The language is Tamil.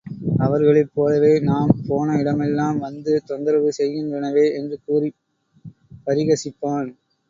அவர்களைப் போலவே நாம் போன இடமெல்லாம் வந்து தொந்தரவு செய்கின்றனவே! என்று கூறிப் பரிகசிப்பான்.